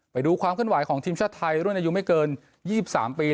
ไปดูความเคลื่อนไหวของทีมชาติไทยรุ่นอายุไม่เกิน๒๓ปี